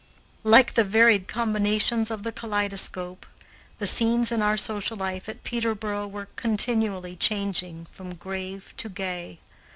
Like the varied combinations of the kaleidoscope, the scenes in our social life at Peterboro were continually changing from grave to gay.